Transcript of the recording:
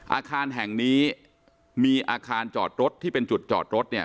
อาคารแห่งนี้มีอาคารจอดรถที่เป็นจุดจอดรถเนี่ย